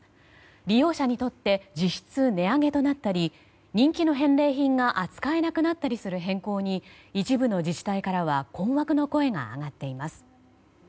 利用者にとって実質、値上げとなったり人気の返礼品が扱えなったりする変更に一部の自治体からは困惑の声が上がっています。